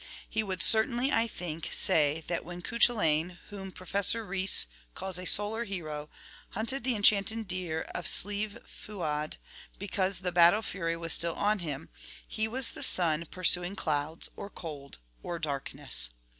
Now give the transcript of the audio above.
He would certainly, I think, say that when Cuchullain, whom Professor Rhys calls a solar hero, hunted the enchanted deer of Slieve Fuadh, because the battle fury was still on him, he was the sun pursuing clouds, or cold, or darkness.